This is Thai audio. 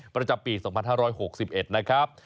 ประจำปี๒๕๖๑นะครับ